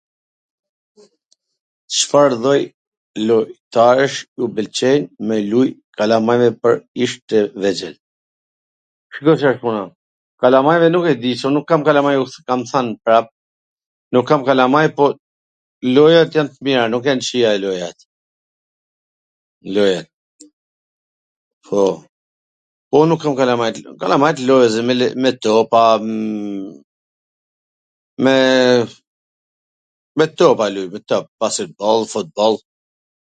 Cfar lloj lojtarwsh ju pwlqejn kalamjve me lujt kurishin tw vegjwl? Shiko si asht puna, kalamajve nuk e di, se un nuk kam kalamajun, t kam thwn prap, nuk kam kalamaj, po lojrat jan t mira, nuk jan t kwqia lojrat, lojat, po, un nuk kam kalamaj, kalamajt lozin me topa, me ..., me topa lujn, me topa, basketboll, futboll...